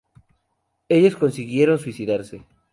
Ellos sí consiguieron suicidarse.